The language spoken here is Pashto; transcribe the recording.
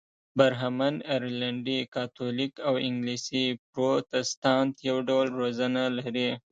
برهمن، ارلنډي کاتولیک او انګلیسي پروتستانت یو ډول روزنه لري.